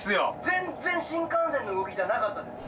全然新幹線の動きじゃなかったです。